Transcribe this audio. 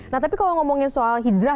nah tapi kalau ngomongin soal hijrah